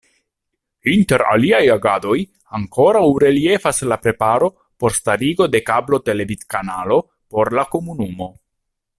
Inter aliaj agadoj ankoraŭ reliefas la preparo por starigo de kablo-televidkanalo por la komunumo.